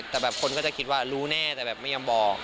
แต่แบบคนก็จะคิดว่ารู้แน่แต่แบบไม่ยอมบอก